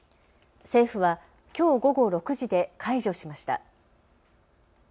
政府はきょう午後６時で解除しました。